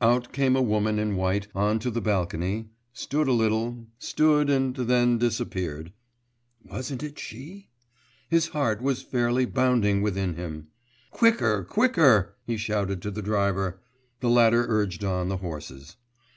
Out came a woman in white on to the balcony, stood a little, stood and then disappeared.... 'Wasn't it she?' His heart was fairly bounding within him. 'Quicker, quicker!' he shouted to the driver; the latter urged on the horses.